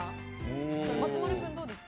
松丸君、どうですか？